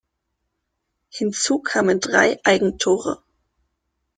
Hinzu kamen drei Eigentore.